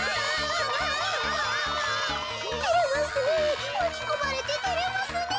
てれますねえまきこまれててれますねえ。